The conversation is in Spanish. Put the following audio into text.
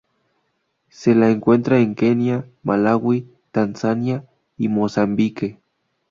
Se la encuentra en Kenia, Malawi, Tanzania y Mozambique.